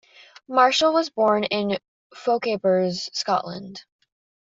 Marshall was born in Fochabers, Scotland.